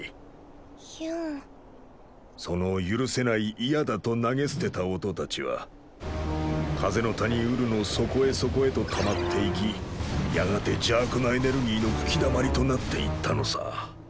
その許せない嫌だと投げ捨てた音たちは風の谷ウルの底へ底へとたまっていきやがて邪悪なエネルギーの吹きだまりとなっていったのさ。